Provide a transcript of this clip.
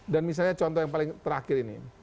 dan misalnya contoh yang paling terakhir ini